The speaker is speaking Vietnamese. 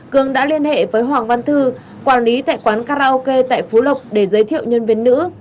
cường đã liên hệ với hoàng văn thư quản lý tại quán karaoke tại phú lộc để giới thiệu nhân viên nữ